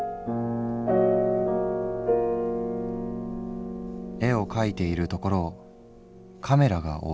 「絵を描いているところをカメラが追う。